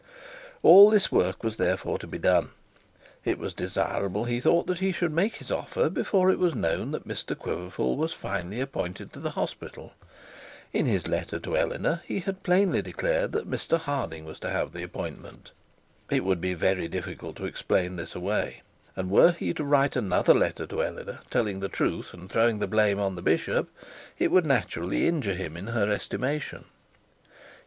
All this work had therefore to be done. It was desirable he thought that he should make his offer before it was known that Mr Quiverful was finally appointed to the hospital. In his letter to Eleanor he had plainly declared that Mr Harding was to have the appointment. It would be very difficult to explain this away; and were he to write another letter to Eleanor, telling the truth and throwing the blame on the bishop, it would naturally injure him in her estimation.